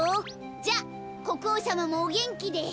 じゃこくおうさまもおげんきで。